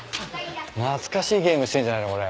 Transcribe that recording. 懐かしいゲームしてんじゃないのこれ。